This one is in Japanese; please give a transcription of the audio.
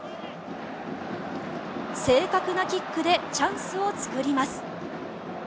正確なキックでチャンスを作ります。